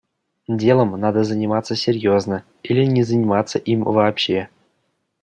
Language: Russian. Делом надо заниматься серьезно или не заниматься им вообще.